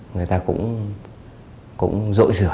người ta cũng có thể xóa dấu vết